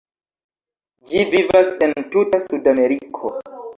Ĝi vivas en tuta Sudameriko.